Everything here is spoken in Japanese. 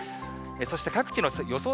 そして各地の予想